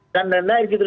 dan lain lain gitu